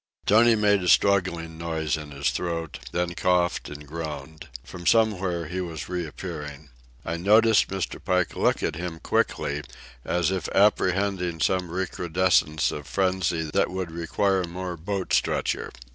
Tony made a struggling noise in his throat, then coughed and groaned. From somewhere he was reappearing. I noticed Mr. Pike look at him quickly, as if apprehending some recrudescence of frenzy that would require more boat stretcher.